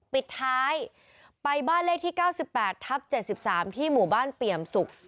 ปิดท้ายไปบ้านเลขที่๙๘ทับ๗๓ที่หมู่บ้านเปี่ยมศุกร์